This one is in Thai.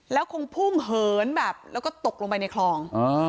แล้วคงพุ่งเหินแบบแล้วก็ตกลงไปในคลอง